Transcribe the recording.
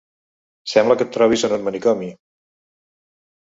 Sembla que et trobis en un manicomi